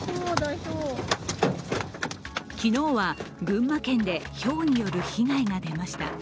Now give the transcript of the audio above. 昨日は群馬県でひょうによる被害が出ました。